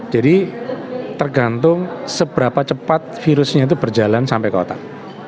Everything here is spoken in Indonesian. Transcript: jadi tergantung seberapa cepat virusnya itu berjalan sampai ke otak